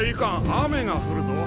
雨が降るぞ。